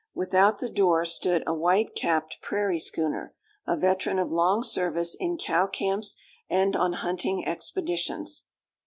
Without the door stood a white capped prairie schooner, a veteran of long service in cow camps and on hunting expeditions.